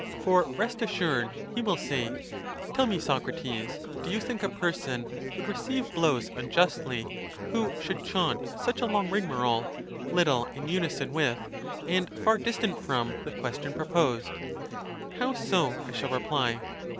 For rest assured he will say, Tell me, Socrates, do you think a person would receive blows un justly, who should chaunt such a long rigmarole, little in uni son with, and far distant from, the question proposed ?—How so? I shall reply.